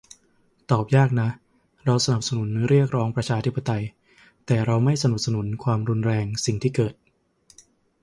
ตอบยากนะ เราสนับสนุนเรียกร้องประชาธิปไตย แต่เราไม่สนับสนุนความรุนแรง สิ่งที่เกิด